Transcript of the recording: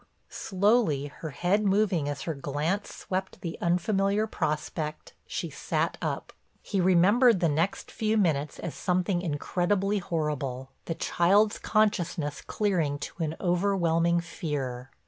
Slowly, her head moving as her glance swept the unfamiliar prospect, she sat up. He remembered the next few minutes as something incredibly horrible, the child's consciousness clearing to an overwhelming fear.